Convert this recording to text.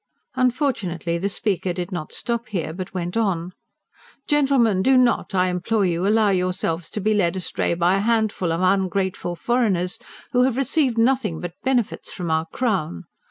Unfortunately the speaker did not stop here, but went on: "Gentlemen! Do not, I implore you, allow yourselves to be led astray by a handful of ungrateful foreigners, who have received nothing but benefits from our Crown.